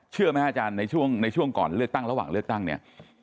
เชื่อไหมข้าจ้าในช่วงก่อนเลือกตั้งระหว่างเลือกตั้งเนี่ย